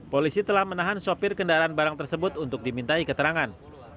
polisi telah menahan sopir kendaraan barang tersebut untuk dimintai keterangan